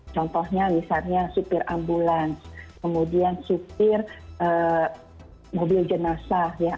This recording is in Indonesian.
contohnya misalnya supir ambulans kemudian supir mobil jenazah ya